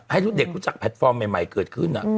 ให้เด็กรู้จักแพลตฟอร์มใหม่เกิดขึ้น